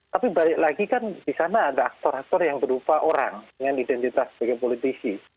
tapi balik lagi kan di sana ada aktor aktor yang berupa orang dengan identitas sebagai politisi